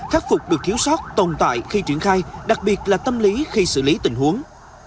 khắc phục được thiếu sót tồn tại khi triển khai đặc biệt là tâm lý khi xử lý tình huống